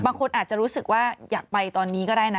บางคนอาจจะรู้สึกว่าอยากไปตอนนี้ก็ได้นะ